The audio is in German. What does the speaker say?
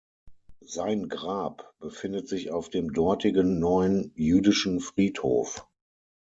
Sein Grab befindet sich auf dem dortigen Neuen Jüdischen Friedhof.